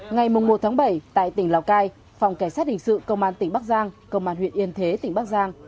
ngày một tháng bảy tại tỉnh lào cai phòng cảnh sát hình sự công an tỉnh bắc giang công an huyện yên thế tỉnh bắc giang